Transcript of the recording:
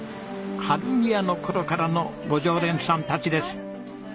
春見屋の頃からのご常連さんたちです。